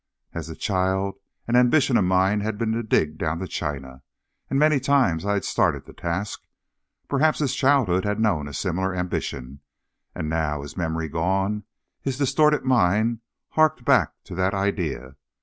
As a child, an ambition of mine had been to dig down to China, and many times I had started the task. Perhaps his childhood had known a similar ambition, and now, his memory gone, his distorted mind harked back to that idea.